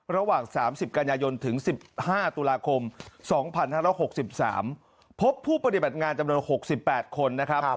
ระหว่าง๓๐กันยายนถึง๑๕ตุลาคม๒๕๖๓พบผู้ปฏิบัติงานจำนวน๖๘คนนะครับ